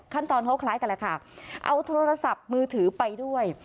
ขั้นตอนเขาคล้ายกันแหละค่ะเอาโทรศัพท์มือถือไปด้วย